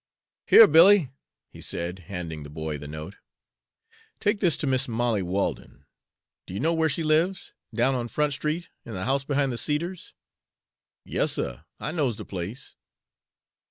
"Here, Billy," he said, handing the boy the note, "take this to Mis' Molly Walden. Do you know where she lives down on Front Street, in the house behind the cedars?" "Yas, suh, I knows de place."